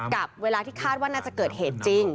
กับเวลาที่คาดว่าน่าจะเกิดเหตุจริง